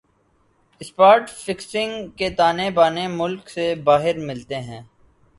spot fixing کے تانے بانے ملک سے باہر ملتےہیں